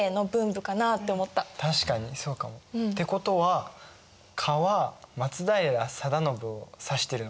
確かにそうかも。ってことは「蚊」は松平定信を指してるのかな。